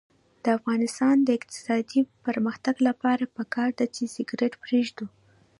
د افغانستان د اقتصادي پرمختګ لپاره پکار ده چې سګرټ پریږدو.